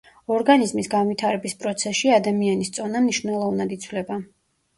ორგანიზმის განვითარების პროცესში ადამიანის წონა მნიშვნელოვნად იცვლება.